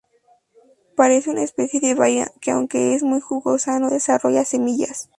Parece una especie de baya que, aunque es muy jugosa, no desarrolla semillas.